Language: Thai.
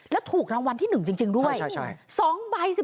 แล้วถูกรางวัลที่๑จริงด้วย๒ใบ